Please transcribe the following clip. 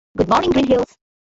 Good morning, Green hills!